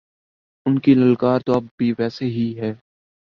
ان کی للکار تو اب بھی ویسے ہی ہے۔